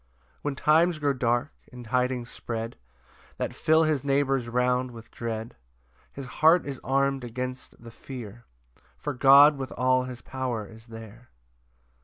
3 When times grow dark, and tidings spread That fill his neighbours round with dread, His heart is arm'd against the fear, For God with all his power is there.